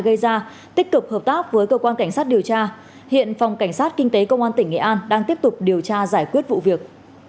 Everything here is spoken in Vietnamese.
tất cả các bộ hậu quả thiệt hại gây ra tích cực hợp tác với cơ quan cảnh sát điều tra hiện phòng cảnh sát kinh tế công an tỉnh nghệ an đang tiếp tục điều tra giải quyết vụ việc